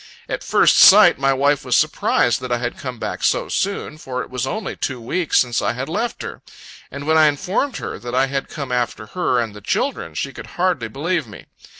At first sight, my wife was surprised that I had come back so soon; for it was only two weeks since I had left her; and when I informed her that I had come after her and the children, she could hardly believe me.